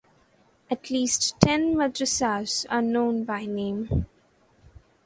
At least ten madrasas are known by name.